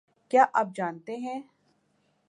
کیا آپ جانتے ہیں